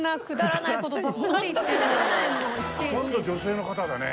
ほとんど女性の方だね。